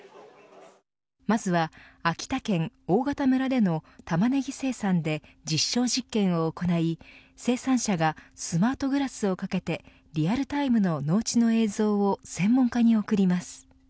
まずは秋田県大潟村でのタマネギ生産で実証実験を行い生産者がスマートグラスをかけてリアルタイムの農地の映像を専門家に送ります。